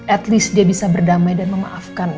at least dia bisa berdamai dan memaafkan